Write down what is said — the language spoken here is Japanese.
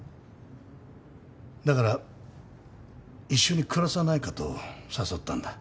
だから一緒に暮らさないかと誘ったんだ。